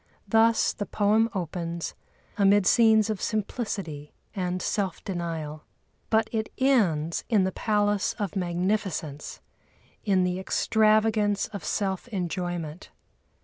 Thus the poem opens, amid scenes of simplicity and self denial. But it ends in the palace of magnificence, in the extravagance of self enjoyment.